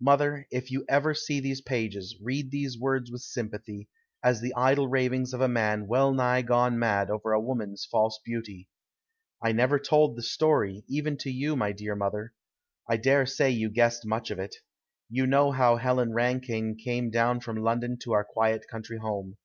Mother, if you ever see these pages, read these words with sympathy, as the idle ravings of a man well nigh gone mad over a woman's false beauty. I never told the story, even to you, my dear mother. I dare say you guessed much of it. You know how Helen Rankine came down from London to our quiet country home.